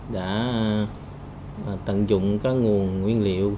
đã tận dụng các nguồn nguyên liệu